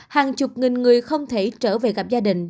hàng chục nghìn người không thể trở về gặp gia đình